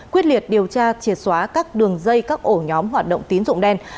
quyết liệt điều tra triệt xóa các đường dây các ổ nhóm hoạt động tín dụng đen